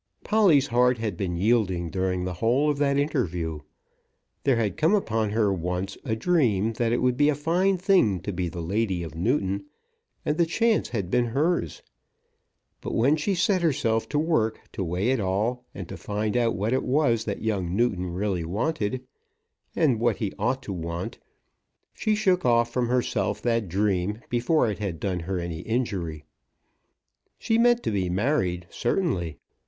Polly's heart had been yielding during the whole of that interview. There had come upon her once a dream that it would be a fine thing to be the lady of Newton; and the chance had been hers. But when she set herself to work to weigh it all, and to find out what it was that young Newton really wanted, and what he ought to want, she shook off from herself that dream before it had done her any injury. She meant to be married certainly.